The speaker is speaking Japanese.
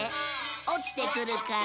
落ちてくるから